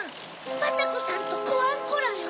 バタコさんとコアンコラよ。